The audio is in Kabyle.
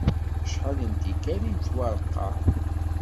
Acḥal n tikkal i tettwareqqeɛ.